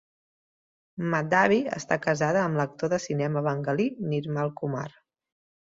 Madhabi està casada amb l'actor de cinema bengalí Nirmal Kumar.